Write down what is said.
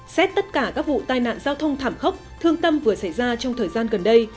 xét tất cả các vụ tai nạn giao thông thảm khốc thương tâm vừa xảy ra trong thời gian gần đây